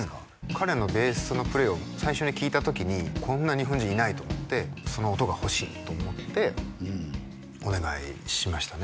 彼のベースのプレーを最初に聴いた時にこんな日本人いないと思ってその音が欲しいと思ってお願いしましたね